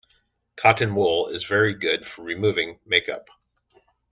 Cotton wool is very good for removing make-up